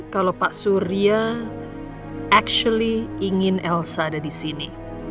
kalau pak surya actually ingin elsa ada di sini